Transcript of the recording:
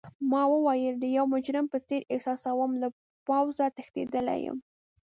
ما وویل: ځان د یو مجرم په څېر احساسوم، له پوځه تښتیدلی یم.